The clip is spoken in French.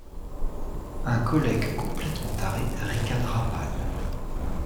Un collègue complètement taré ricanera mal.